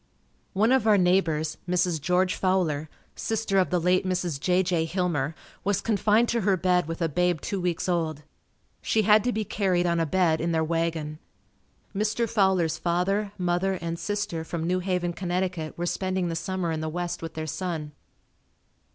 One of our neighbors, Mrs. George Fowler, sister of the late Mrs. J. J. Hillmer, was confined to her bed with a babe two weeks old. She had to be carried on a bed in their wagon. Mr. Fowler's father, mother and sister from New Haven, Conn., were spending the summer in the west with their son.